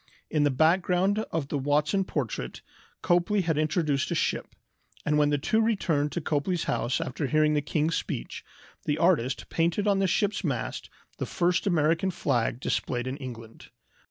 In the background of the Watson portrait Copley had introduced a ship, and when the two returned to Copley's house after hearing the king's speech, the artist painted on the ship's mast the first American flag displayed in England.